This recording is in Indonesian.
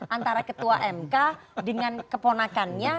antara ketua mk dengan keponakannya